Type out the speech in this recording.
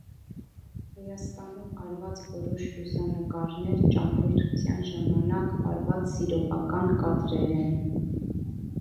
Հայաստանում արված որոշ լուսանկարներ ճամփորդության ժամանակ արված սիրողական կադրեր են։